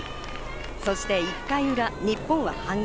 そして１回裏、日本は反撃。